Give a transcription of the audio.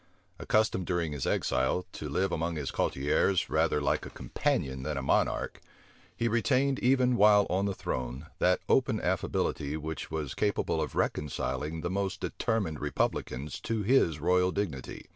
Accustomed during his exile, to live among his courtiers rather like a companion than a monarch, he retained, even while on the throne, that open affability which was capable of reconciling the most determined republicans to his royal dignity.